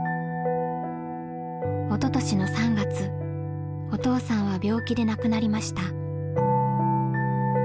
おととしの３月お父さんは病気で亡くなりました。